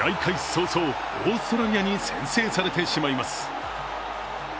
早々、オーストラリアに先制されてしまいます。